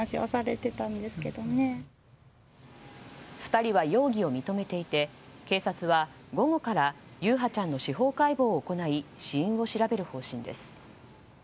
２人は容疑を認めていて警察は午後から優陽ちゃんの司法解剖を行い死因を調べる方針です。